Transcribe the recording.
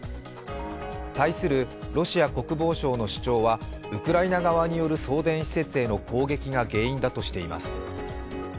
対するロシア国防省の主張はウクライナ側による送電施設への攻撃が原因だとしています。